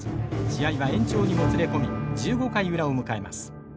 試合は延長にもつれ込み１５回裏を迎えます。